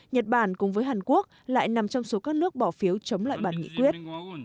nhật bản cùng với hàn quốc lại nằm trong số các nước bỏ phiếu chống lại bản nghị quyết